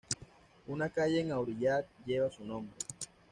Una calle en Aurillac lleva su nombre.